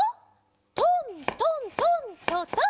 トントントントトン。